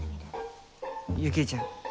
雪衣ちゃん。